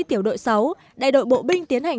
tiểu đội sáu đại đội bộ binh tiến hành